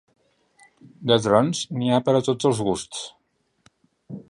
De drons, n’hi ha per a tots els gusts.